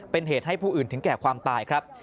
เป็นเหตุให้ผู้อื่นถึงแก่ความตายครับ